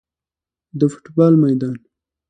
د فوټبال میدان